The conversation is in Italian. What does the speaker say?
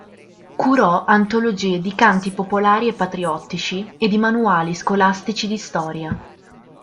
Curò antologie di canti popolari e patriottici e di manuali scolastici di storia.